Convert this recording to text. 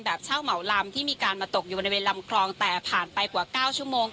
เช่าเหมาลำที่มีการมาตกอยู่บริเวณลำคลองแต่ผ่านไปกว่า๙ชั่วโมง